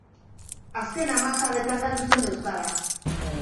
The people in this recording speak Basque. Azken hamarkadetan galdu zen euskara.